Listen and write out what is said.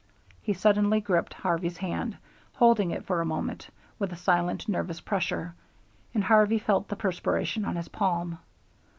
He suddenly gripped Harvey's hand, holding it for a moment with a silent, nervous pressure, and Harvey felt the perspiration on his palm.